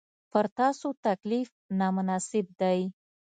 پر تاسو تکلیف نامناسب دی.